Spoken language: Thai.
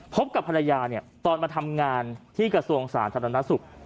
พบกับภรรยาตอนมาทำงานที่กระทรวงศาลธนาสุร